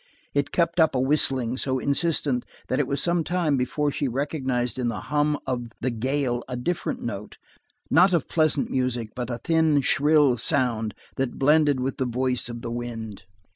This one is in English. It kept up a whistling so insistent that it was some time before she recognized in the hum of the gale a different note, not of pleasant music, but a thin, shrill sound that blended with the voice of the wind.